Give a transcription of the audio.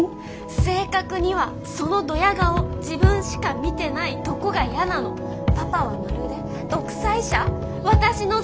正確にはそのドヤ顔自分しか見てないとこがヤなのパパはまるで独裁者私の生理パパの支配下？